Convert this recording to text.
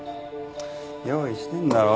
用意してんだろ。